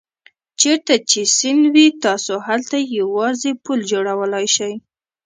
چېرته چې سیند وي تاسو هلته یوازې پل جوړولای شئ.